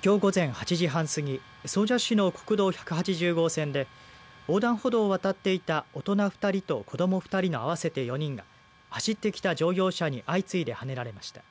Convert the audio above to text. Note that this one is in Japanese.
きょう午前８時半過ぎ総社市の国道１８０号線で横断歩道を渡っていた大人２人と子ども２人の合わせて４人が走ってきた乗用車に相次いではねられました。